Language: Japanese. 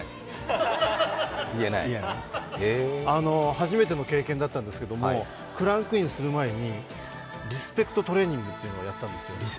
初めての経験だったんですけれどもクランクインする前にリスペクトトレーニングというのをやったんですよ。